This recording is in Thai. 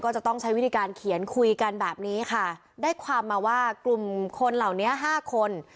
ก็จะต้องใช้วิธีการเขียนคุยกันแบบนี้ค่ะได้ความมาว่ากลุ่มคนเหล่านี้ห้าคน